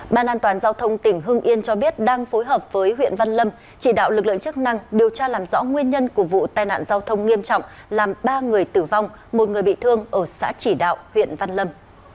ban an toàn giao thông tỉnh hưng yên cho biết đang phối hợp với huyện văn lâm chỉ đạo lực lượng chức năng điều tra làm rõ nguyên nhân của vụ tai nạn giao thông nghiêm trọng làm ba người tử vong một người bị thương ở xã chỉ đạo huyện văn lâm